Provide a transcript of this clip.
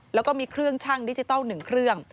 แล้วก็มีเครื่องชั่งดิจิทัล๑เครื่อง